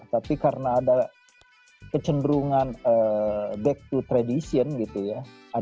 tapi karena ada kecenderungan back to tradition gitu ya